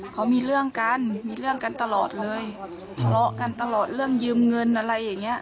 เขามีเรื่องกันมีเรื่องกันตลอดเลยทะเลาะกันตลอดเรื่องยืมเงินอะไรอย่างเงี้